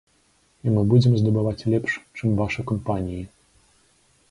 І мы будзем здабываць лепш, чым вашы кампаніі.